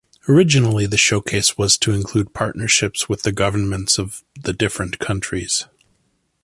Originally, the showcase was to include partnerships with the governments of the different countries.